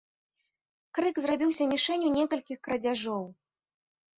Крык зрабіўся мішэнню некалькіх крадзяжоў.